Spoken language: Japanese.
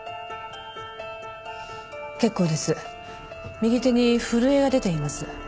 右手に震えが出ています。